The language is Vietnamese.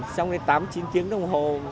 xong rồi tám chín tiếng đồng hồ